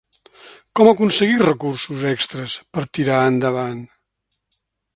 Com aconseguir recursos extres per tirar endavant?